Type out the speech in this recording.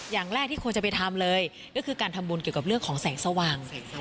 อย่างแรกที่ควรจะไปทำเลยก็คือการทำบุญเกี่ยวกับเรื่องของแสงสว่าง